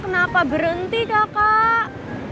kenapa berhenti kakak